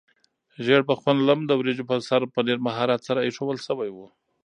ژیړبخون لم د وریجو په سر په ډېر مهارت سره ایښودل شوی و.